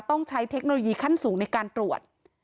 ต้องใช้เทคโนโลยีขั้นสูงในการตรวจ